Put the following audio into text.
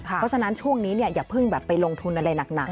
เพราะฉะนั้นช่วงนี้อย่าเพิ่งไปลงทุนอะไรหนัก